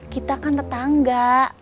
kita kan tetangga